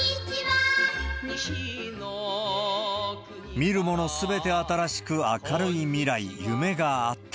見るものすべて新しく明るい未来、夢があった。